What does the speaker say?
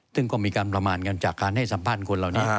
ซึ่งก็มีการประมาณกันจากการให้สัมภาษณ์คนเหล่านี้